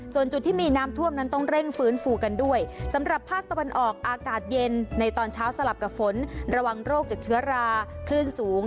ส่วนจุดที่มีน้ำท่วมนั้นต้องเร่งฟื้นฟูกันด้วยสำหรับภาคตะวันออกอากาศเย็นในตอนเช้าสลับกับฝนระวังโรคจากเชื้อราคลื่นสูง